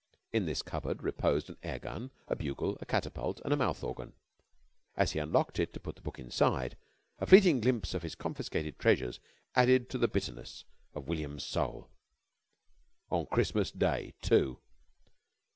In this cupboard reposed an airgun, a bugle, a catapult, and a mouth organ. As he unlocked it to put the book inside, the fleeting glimpse of his confiscated treasures added to the bitterness of William's soul. "On Christmas Day, too!"